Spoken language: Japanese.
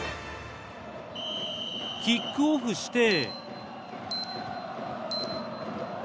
キックオフして。